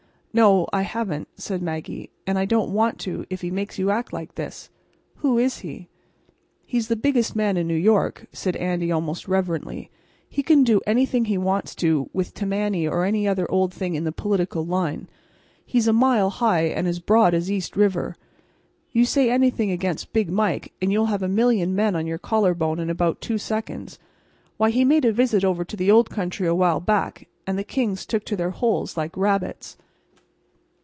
"No, I haven't," said Maggie. "And I don't want to, if he makes you act like this. Who is he?" "He's the biggest man in New York," said Andy, almost reverently. "He can about do anything he wants to with Tammany or any other old thing in the political line. He's a mile high and as broad as East River. You say anything against Big Mike, and you'll have a million men on your collarbone in about two seconds. Why, he made a visit over to the old country awhile back, and the kings took to their holes like rabbits.